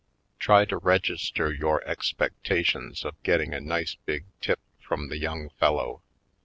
Try to register your expectations of getting a nice big tip from the young fel low.